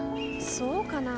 そうかな？